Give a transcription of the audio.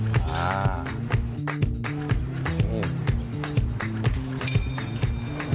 โอ้โฮ